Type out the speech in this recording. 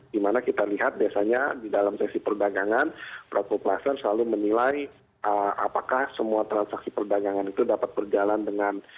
dimana kita lihat biasanya di dalam sesi perdagangan pelaku klaster selalu menilai apakah semua transaksi perdagangan itu dapat berjalan dengan